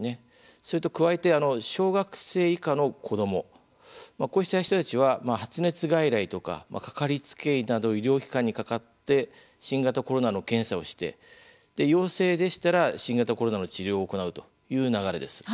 それと加えて小学生以下の子どもこうした人たちは発熱外来とか掛かりつけ医など医療機関にかかって新型コロナの検査をして陽性でしたら新型コロナの治療を行うという流れです。